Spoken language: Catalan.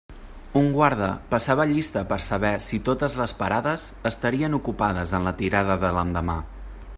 Un guarda passava llista per a saber si totes les parades estarien ocupades en la tirada de l'endemà.